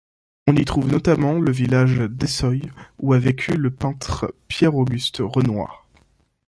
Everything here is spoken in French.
On y trouve notamment le village d'Essoyes où a vécu le peintre Pierre-Auguste Renoir.